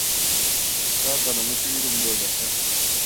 اُستاتن امیچوں علم دے گا چھا